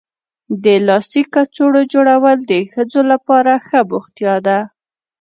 د لاسي کڅوړو جوړول د ښځو لپاره ښه بوختیا ده.